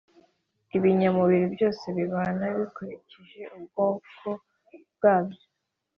Ibinyamubiri byose bibana bikurikije ubwoko bwabyo,